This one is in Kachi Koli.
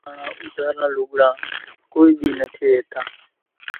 ڪڇي ماڻۿان اُوڌڙان لوڳڙان ڪونئين ۮي نٿي ليتان